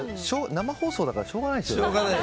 生放送だからしょうがないですよね。